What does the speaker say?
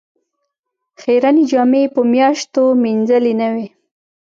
خیرنې جامې یې په میاشتو مینځلې نه وې.